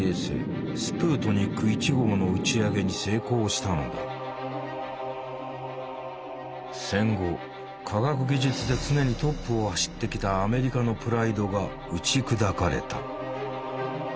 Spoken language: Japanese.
ソ連が戦後科学技術で常にトップを走ってきたアメリカのプライドが打ち砕かれた。